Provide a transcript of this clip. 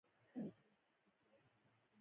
او ده خپله مور په غېږ کې ټینګه ونیوله.